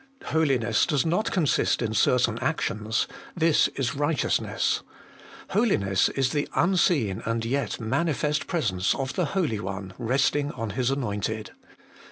Holiness does not consist in certain actions : this is righteousness. Holiness is the unseen and yet manifest presence of the Holy One resting on His anointed.